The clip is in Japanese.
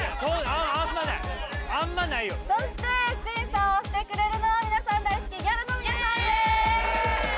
そして審査をしてくれるのは皆さん大好きギャルの皆さんです